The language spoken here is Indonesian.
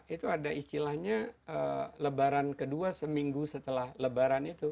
itu ada istilahnya lebaran kedua seminggu setelah lebaran itu